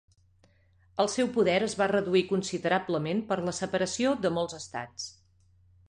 El seu poder es va reduir considerablement per la separació de molts estats.